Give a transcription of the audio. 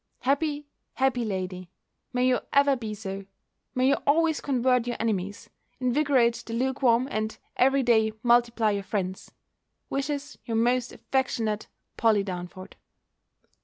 Happy, happy lady! May you ever be so! May you always convert your enemies, invigorate the lukewarm, and every day multiply your friends, wishes your most affectionate, POLLY DARNFORD.